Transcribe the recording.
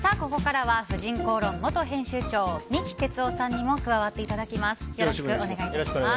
ここからは「婦人公論」元編集長三木哲男さんにも加わってもらいます。